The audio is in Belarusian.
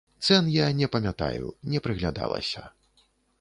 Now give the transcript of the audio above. Цэн я не памятаю, не прыглядалася.